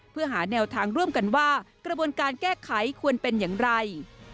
เพื่อหาแนวทางร่วมกันว่ากระบวนการแก้ไขควรเป็นอย่างไร